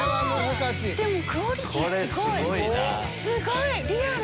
でもクオリティーすごいすごいリアル！